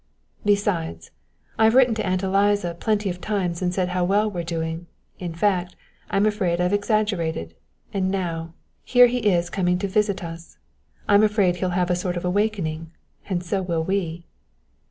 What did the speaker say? "Besides, I've written to Aunt Eliza plenty of times and said how well we were doing; in fact, I'm afraid I've exaggerated, and now, here he is coming to visit us. I'm afraid he'll have a sort of awakening and so will we."